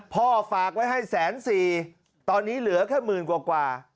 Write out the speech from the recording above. ฝากไว้ให้แสนสี่ตอนนี้เหลือแค่หมื่นกว่า